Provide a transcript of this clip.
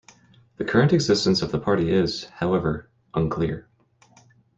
The current existence of the party is, however, unclear.